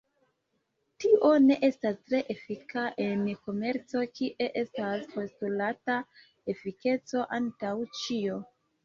Tio ne estas tre efika en komerco, kie estas postulata efikeco antaŭ ĉio.